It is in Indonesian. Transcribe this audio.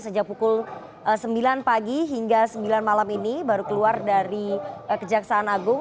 sejak pukul sembilan pagi hingga sembilan malam ini baru keluar dari kejaksaan agung